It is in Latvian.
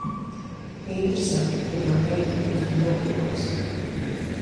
Interesanti, ko tā meita būs tur nopirkusi.